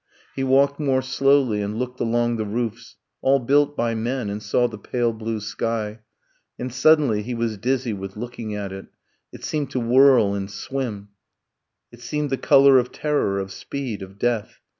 He walked more slowly, and looked along the roofs, All built by men, and saw the pale blue sky; And suddenly he was dizzy with looking at it, It seemed to whirl and swim, It seemed the color of terror, of speed, of death